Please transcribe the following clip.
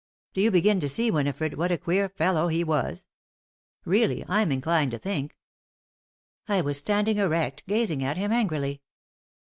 Do you begin to see, Winifred, what a queer fellow he was? Really, I'm inclined to think " I was standing erect, gazing at him, angrily.